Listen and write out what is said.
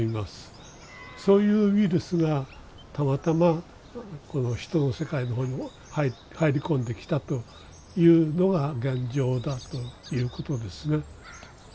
そういうウイルスがたまたまこの人の世界の方に入り込んできたというのが現状だということですね。